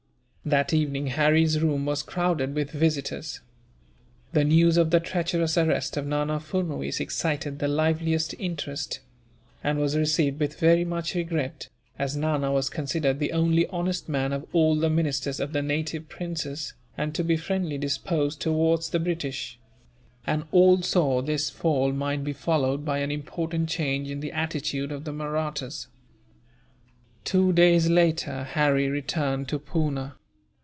That evening, Harry's room was crowded with visitors. The news of the treacherous arrest of Nana Furnuwees excited the liveliest interest; and was received with very much regret, as Nana was considered the only honest man of all the ministers of the native princes, and to be friendly disposed towards the British; and all saw that his fall might be followed by an important change in the attitude of the Mahrattas. Two days later, Harry returned to Poona.